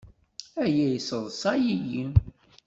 Aya yesseḍsay-iyi.